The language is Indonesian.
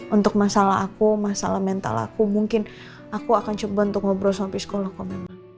untuk masalah aku masalah mental aku mungkin aku akan coba untuk ngobrol sampai sekolah kok memang